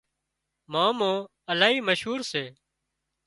مامو الهي مشهور سي